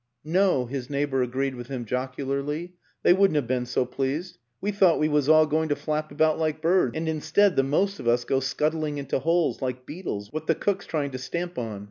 " No," his neighbor agreed with him jocularly; " they wouldn't have been so pleased. We thought we was all going to flap about like birds and instead the most of us go scuttling into holes like beetles what the cook's trying to stamp on.